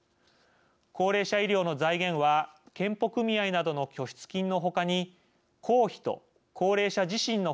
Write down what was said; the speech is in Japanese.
高齢者医療の財源は健保組合などの拠出金の他に公費と高齢者自身の負担があります。